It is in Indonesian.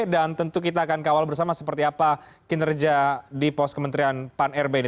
dan tentu kita akan kawal bersama seperti apa kinerja di pos kementerian pan rb ini